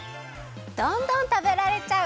どんどんたべられちゃう！